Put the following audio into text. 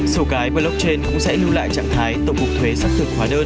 sổ cái blockchain cũng sẽ lưu lại trạng thái tổng cục thuế xác thực hóa đơn